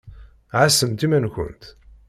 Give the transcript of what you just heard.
Ɛassemt iman-nkent.